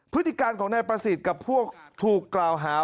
พฤติการของนายประสิทธิ์กับพวกถูกกล่าวหา